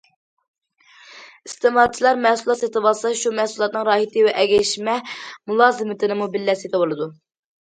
ئىستېمالچىلار مەھسۇلات سېتىۋالسا، شۇ مەھسۇلاتنىڭ راھىتى ۋە ئەگەشمە مۇلازىمىتىنىمۇ بىللە سېتىۋالىدۇ.